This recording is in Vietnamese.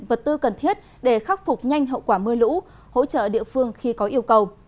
vật tư cần thiết để khắc phục nhanh hậu quả mưa lũ hỗ trợ địa phương khi có yêu cầu